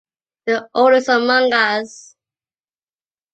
The oldest among us.